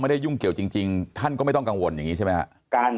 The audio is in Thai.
ยุ่งเกี่ยวจริงท่านก็ไม่ต้องกังวลอย่างนี้ใช่ไหมครับ